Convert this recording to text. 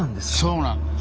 そうなんです。